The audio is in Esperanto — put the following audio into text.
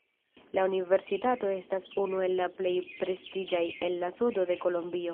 La universitato estas unu el la plej prestiĝaj en la sudo de kolombio.